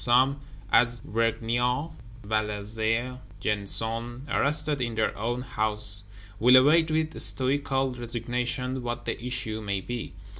Some, as Vergniaud, Valazé, Gensonné, "arrested in their own houses," will await with stoical resignation what the issue may be.